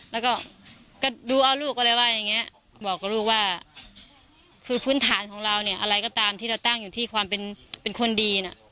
แล้วก็ก็ดูเอาลูกอะไรว่าอย่างนี้บอกกับลูกว่าคือพื้นฐานของเราเนี่ยอะไรก็ตามที่เราตั้งอยู่ที่ความเป็นคนดีน่ะ